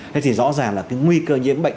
thế thì rõ ràng là cái nguy cơ nhiễm bệnh